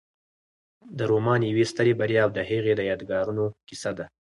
دا رومان د یوې سترې بریا او د هغې د یادګارونو کیسه ده.